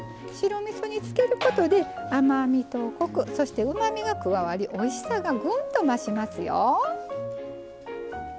白みそに漬けることで甘みとコクそしてうまみが加わりおいしさがグンと増しますよ。